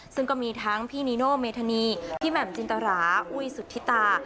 ซึ่งก็มีทั้งพี่นีโนเมธานีพี่แหม่มจินตราอุ้ยสุธิตา